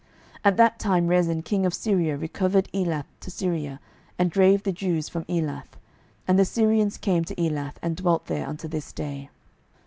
12:016:006 At that time Rezin king of Syria recovered Elath to Syria, and drave the Jews from Elath: and the Syrians came to Elath, and dwelt there unto this day.